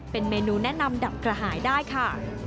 เป็นเมนูแนะนำดับกระหายได้ค่ะ